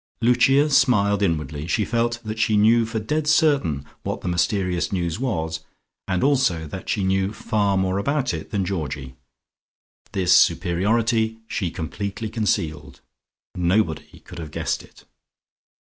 Lucia smiled inwardly. She felt that she knew for dead certain what the mysterious news was, and also that she knew far more about it than Georgie. This superiority she completely concealed. Nobody could have guessed it.